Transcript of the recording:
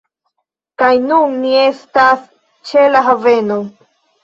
Kaj nun ni estas ĉe la haveno